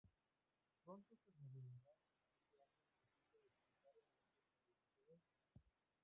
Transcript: Pronto se revelará que existe algo imposible de explicar en estos terribles eventos.